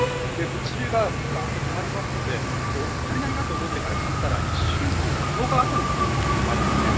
物流が止まりますので足りないなと思ってから買ったら１週間とか１０日あとに来る可能性もあるんですね。